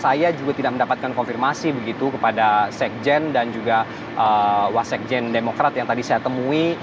saya juga tidak mendapatkan konfirmasi begitu kepada sekjen dan juga wasekjen demokrat yang tadi saya temui